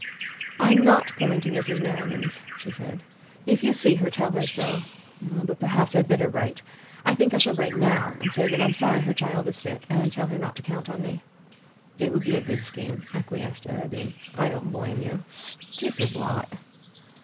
"I'm not going to Mrs. Merriman's," she said. "If you see her, tell her so. But perhaps I had better write. I think I shall write now, and say that I am sorry her child is sick, and tell her not to count on me." "It would be a good scheme," acquiesced Arobin. "I don't blame you; stupid lot!"